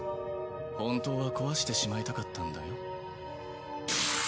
本当は壊してしまいたかったんだよ。